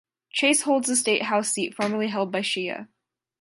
Chase holds the state House seat formerly held by Shea.